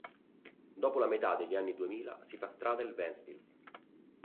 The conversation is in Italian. Dopo la metà degli anni duemila, si fa strada il Ventspils.